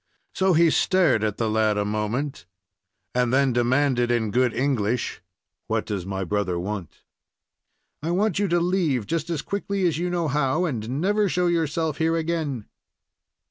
So he stared at the lad a moment, and then demanded in good English: "What does my brother want?" "I want you to leave, just as quickly as you know how, and never show yourself here again."